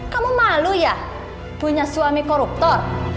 kamu malu ya punya suami koruptor